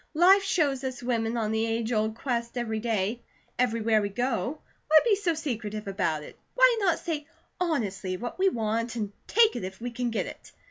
Life shows us woman on the age old quest every day, everywhere we go; why be so secretive about it? Why not say honestly what we want, and take it if we can get it?